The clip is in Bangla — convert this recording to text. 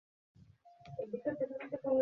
আমার এমন অফিসার দরকার, যে মানুষের কথা বুঝতে পারবে।